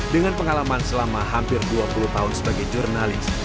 dengan pengalaman selama hampir dua puluh tahun sebagai jurnalis